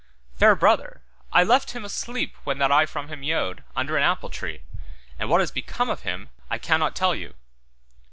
Fair brother, I left him asleep when that I from him yode, under an apple tree, and what is become of him I cannot tell you.